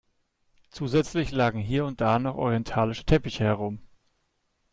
Zusätzlich lagen hier und da noch orientalische Teppiche herum.